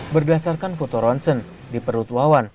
berdasarkan foto ronsen di perut wawan